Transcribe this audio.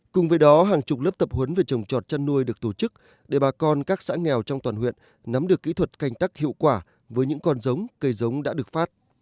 cùng với đó hàng chục lớp tập huấn về trồng trọt chăn nuôi được tổ chức để bà con các xã nghèo trong toàn huyện nắm được kỹ thuật canh tắc hiệu quả với những con giống cây giống đã được phát